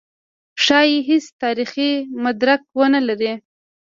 ښايي هېڅ تاریخي مدرک ونه لري.